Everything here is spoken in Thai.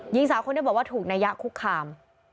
หญิงสาวคนนี้บอกว่าถูกนายะคุกคาม